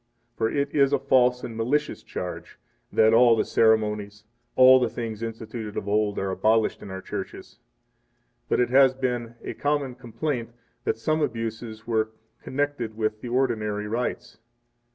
8 For it is a false and malicious charge that all the ceremonies, all the things instituted of old, are abolished in our churches. 9 But it has been a common complaint that some abuses were connected with the ordinary rites.